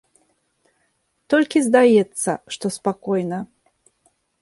Толькі здаецца, што спакойна.